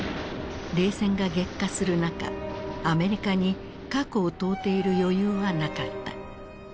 冷戦が激化する中アメリカに過去を問うている余裕はなかった。